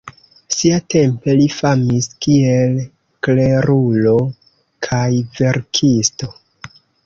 Siatempe li famis kiel klerulo kaj verkisto.